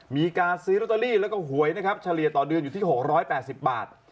มีการซื้อลอตเตอรี่แล้วก็หวยนะครับเฉลี่ยต่อเดือนอยู่ที่๖๘๐บาท